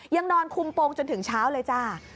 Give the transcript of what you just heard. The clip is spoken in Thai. ยังนอนคุมโปรงจนถึงเช้าเลยจ้า